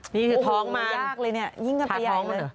นี่คือท้องมันถาท้องมันเหรอโอ้โหมันยากเลยเนี่ยยิ่งกันไปใหญ่เลย